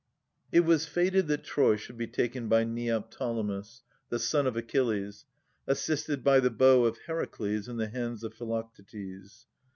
It was fated that Troy should be taken by Neoptolemus, the son of Achilles, assisted by the bow of Heracles in the hands of Philoctetes.